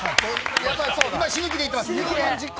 今、死ぬ気で行ってます。